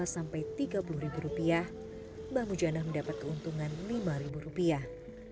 sampai tiga puluh ribu rupiah mbah mujana mendapat keuntungan lima rupiah